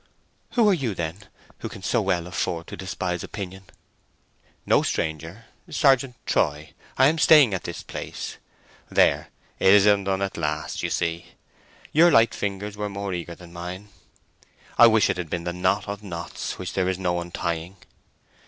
"Who are you, then, who can so well afford to despise opinion?" "No stranger. Sergeant Troy. I am staying in this place.—There! it is undone at last, you see. Your light fingers were more eager than mine. I wish it had been the knot of knots, which there's no untying!"